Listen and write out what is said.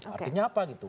artinya apa gitu